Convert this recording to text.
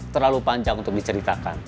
terlalu panjang untuk diceritakan